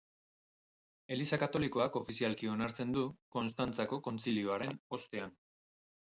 Eliza Katolikoak ofizialki onartzen du, Konstantzako Kontzilioaren ostean.